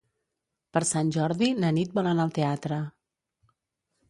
Per Sant Jordi na Nit vol anar al teatre.